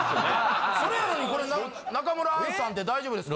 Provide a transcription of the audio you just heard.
それやのに中村アンさんって大丈夫ですか？